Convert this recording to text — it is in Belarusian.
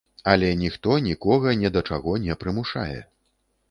Але ніхто нікога не да чаго не прымушае.